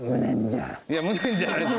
いや無念じゃないです。